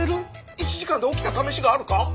１時間で起きたためしがあるか？